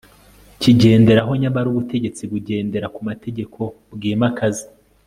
kigenderaho. nyamara ubutegetsi bugendera ku mategeko bwimakaza